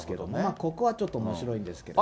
ここはちょっと、おもしろいんですけどね。